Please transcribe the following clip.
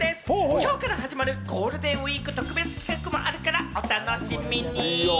今日から始まるゴールデンウイーク特別企画もあるからお楽しみに。